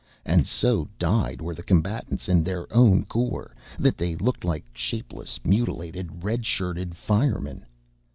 And so dyed were the combatants in their own gore that they looked like shapeless, mutilated, red shirted firemen.